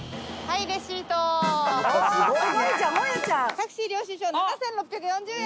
タクシー領収書７，６４０円！